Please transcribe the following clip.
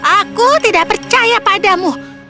aku tidak percaya padamu